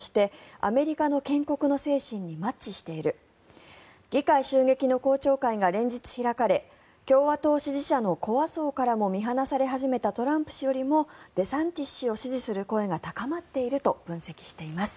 また、横江さんは軍隊経験があり、国のために命をかけられる人としてアメリカの建国の精神にマッチしている議会襲撃の公聴会が連日開かれ共和党支持者のコア層からも見放され始めたトランプ氏よりもデサンティス氏を支持する声が高まっていると分析しています。